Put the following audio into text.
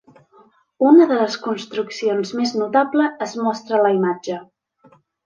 Una de les construccions més notable es mostra a la imatge.